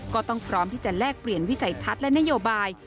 ก็ต้องพร้อมที่จะแลกเปลี่ยนวิสัยทัศน์และนโยบาย